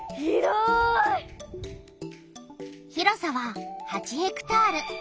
広さは８ヘクタール。